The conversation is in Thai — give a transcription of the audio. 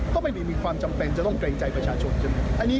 ก็ไม่มีความจำเป็นจะต้องเกรงใจประชาชน